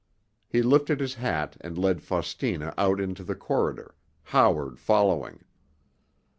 He lifted his hat and led Faustina out into the corridor, Howard following.